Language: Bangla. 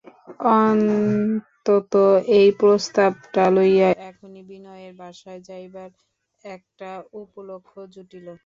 অন্তত এই প্রস্তাবটা লইয়া এখনই বিনয়ের বাসায় যাইবার একটা উপলক্ষ জুটিল।